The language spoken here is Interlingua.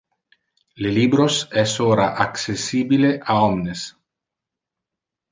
Le libros es ora accessibile a omnes.